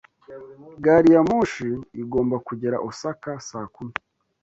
Gari ya moshi igomba kugera Osaka saa kumi.